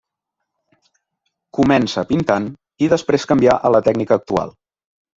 Comença pintant i després canvià a la tècnica actual.